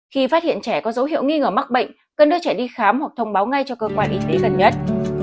khi phát hiện trẻ có dấu hiệu nghi ngờ mắc bệnh cần đưa trẻ đi khám hoặc thông báo ngay cho cơ quan y tế gần nhất